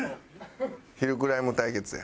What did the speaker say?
ヒルクライム対決や。